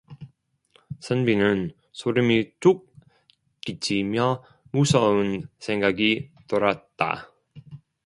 선비는 소름이 쭉 끼치며 무서운 생각이 들었다.